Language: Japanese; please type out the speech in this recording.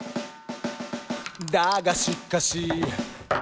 「だがしかし」